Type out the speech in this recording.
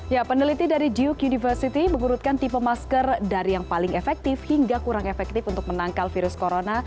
ya peneliti dari duke university mengurutkan tipe masker dari yang paling efektif hingga kurang efektif untuk menangkal virus corona